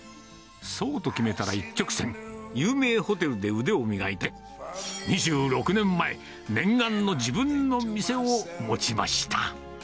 そうと決めたら一直線、有名ホテルで腕を磨いて、２６年前、念願の自分の店を持ちました。